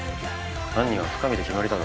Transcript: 犯人は深水で決まりだろ。